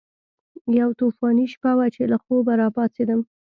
یوه طوفاني شپه وه چې له خوبه راپاڅېدم.